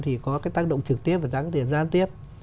thì có cái tác động trực tiếp và giá tiền giám tiếp